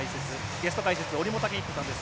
ゲスト解説、折茂武彦さんです。